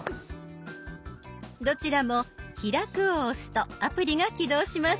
どちらも「開く」を押すとアプリが起動します。